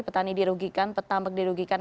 petani dirugikan petamak dirugikan